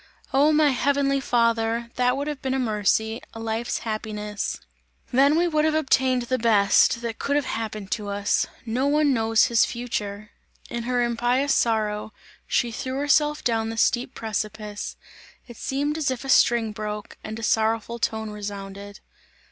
Oh! my heavenly Father! That would have been a mercy, a life's happiness! Then we would have obtained, the best, that could have happened to us! No one knows his future!" In her impious sorrow, she threw herself down the steep precipice. It seemed as if a string broke, and a sorrowful tone resounded.